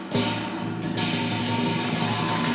วันนี้ข้ามาขอยืมของสำคัญ